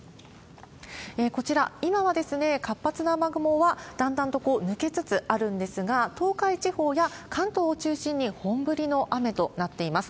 こちら、今は活発な雨雲はだんだんと抜けつつあるんですが、東海地方や関東を中心に本降りの雨となっています。